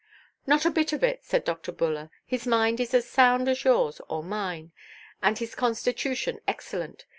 "Not a bit of it," said Dr. Buller; "his mind is as sound as yours or mine, and his constitution excellent.